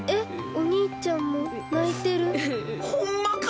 おにいちゃんもないてる！ホンマか！？